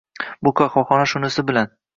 Bu qahvahxona shunisi bilan.